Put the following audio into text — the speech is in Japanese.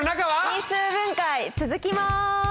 因数分解続きます。